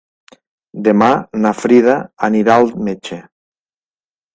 Demà na Frida anirà al metge.